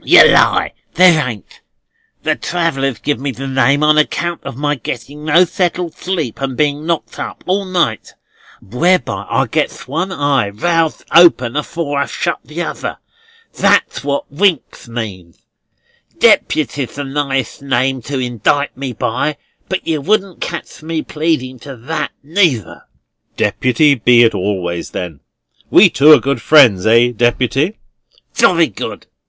"Yer lie, there ain't. The travellers give me the name on account of my getting no settled sleep and being knocked up all night; whereby I gets one eye roused open afore I've shut the other. That's what Winks means. Deputy's the nighest name to indict me by: but yer wouldn't catch me pleading to that, neither." "Deputy be it always, then. We two are good friends; eh, Deputy?" "Jolly good."